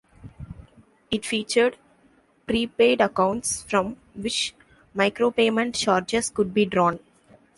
It featured pre-paid accounts from which micropayment charges could be drawn.